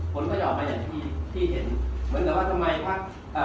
ผลก็จะออกมาอย่างที่เห็นเหมือนกับว่าทำไมคะ